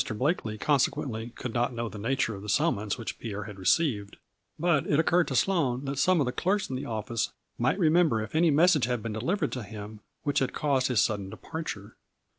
Blakely consequently could not know the nature of the summons which Pierre had received, but it occurred to Sloane that some of the clerks in the office might remember if any message had been delivered to him which had caused his sudden departure.